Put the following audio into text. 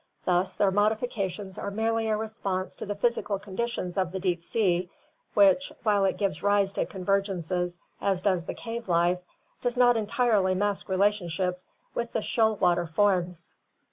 Thus their CAVE AND DEEP SEA LIFE 385 modifications are merely a response to the physical conditions of the deep sea which, while it gives rise to convergences as does the cave life, does not entirely mask relationships with the shoal water forms.